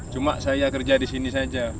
cuma saya kerja di sini saja